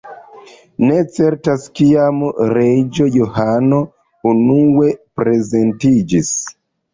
Ne certas kiam "Reĝo Johano" unue prezentiĝis.